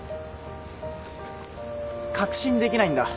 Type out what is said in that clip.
確信できないんだ